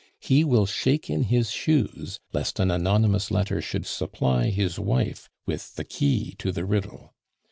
He will shake in his shoes lest an anonymous letter should supply his wife with the key to the riddle.